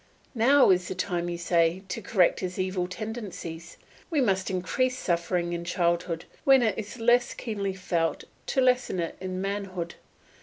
Now is the time, you say, to correct his evil tendencies; we must increase suffering in childhood, when it is less keenly felt, to lessen it in manhood.